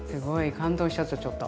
感動しちゃったちょっと。